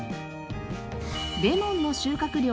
レモンの収穫量